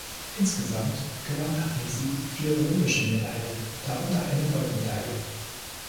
Insgesamt gewann Parisi vier olympische Medaillen, darunter eine Goldmedaille.